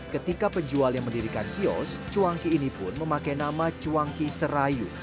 ketika penjual yang mendirikan kios cuangki ini pun memakai nama cuangki serayu